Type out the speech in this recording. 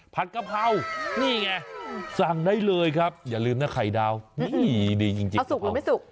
กะเพรานี่ไงสั่งได้เลยครับอย่าลืมนะไข่ดาวนี่ดีจริงเขาสุกหรือไม่สุก